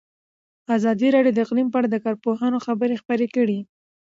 ازادي راډیو د اقلیم په اړه د کارپوهانو خبرې خپرې کړي.